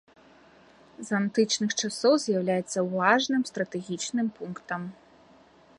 З антычных часоў з'яўляецца важным стратэгічным пунктам.